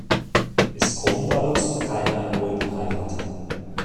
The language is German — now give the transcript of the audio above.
Es kommt aber zu keiner erneuten Heirat.